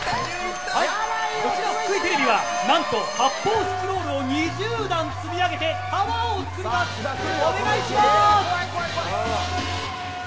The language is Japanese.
福井テレビは何と発泡スチロールを２０段、積み上げてタワーを作りますお願いします。